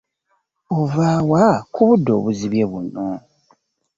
Ova wa ku budde obuzibye buno?